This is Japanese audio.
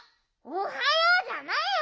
おはようじゃないよ